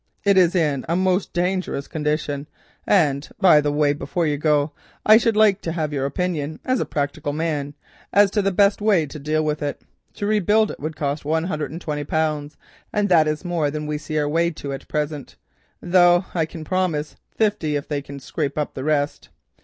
It is in a most dangerous condition, and by the way, before you go I should like to have your opinion, as a practical man, as to the best way to deal with it. To rebuild it would cost a hundred and twenty pounds, and that is more than we see our way to at present, though I can promise fifty if they can scape up the rest.